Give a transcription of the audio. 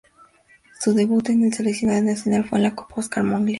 Su debut con el seleccionado nacional fue en la Copa Oscar Moglia.